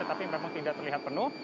tapi memang tidak terlihat penuh